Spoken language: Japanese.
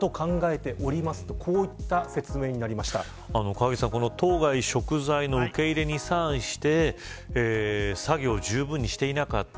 河岸さん当該食材の受け入れに際して作業をじゅうぶんにしていなかった。